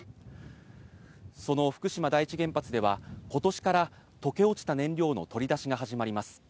その福島第一原発では今年から溶け落ちた燃料の取り出しが始まります。